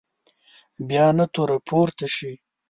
بیا نه توره پورته شي.